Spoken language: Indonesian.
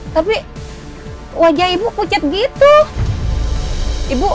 tapi wajah ibu kucit gitu